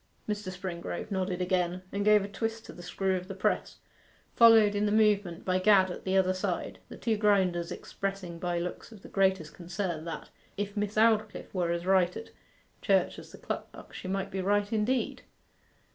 Mr. Springrove nodded again, and gave a twist to the screw of the press, followed in the movement by Gad at the other side; the two grinders expressing by looks of the greatest concern that, if Miss Aldclyffe were as right at church as the clerk, she must be right indeed.